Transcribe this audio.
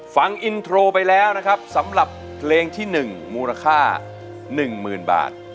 ฟังอินโทรไปแล้วนะครับสำหรับเพลงที่๑มูลค่า๑๐๐๐บาท